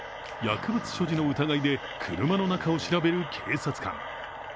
薬物所持の疑いで車の中を調べる警察官。